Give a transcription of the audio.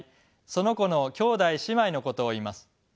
その子の兄弟姉妹のことを言います。